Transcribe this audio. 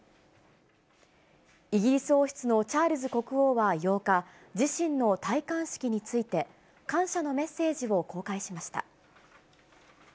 イギリス王室のチャールズ国王は８日、自身の戴冠式について、感謝のメッセージを公開しました。